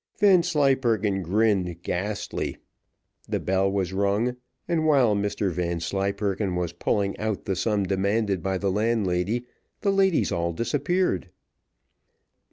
Vanslyperken grinned ghastly. The bell was rung, and while Mr Vanslyperken was pulling out the sum demanded by the landlady, the ladies all disappeared.